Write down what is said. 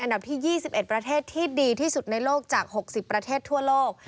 อันดับที่๒๑ประเทศที่ดีที่สุดในโลกจาก๖๐ประเทศทั่วโลก